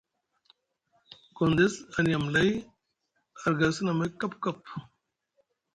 Gondes a niya amlay a rga sini amay kapkap.